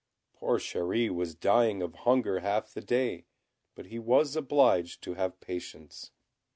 Poor Chéri was dying of hunger half the day, but he was obliged to have patience.